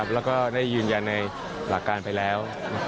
แล้วก็ได้ยืนยันในหลักการไปแล้ว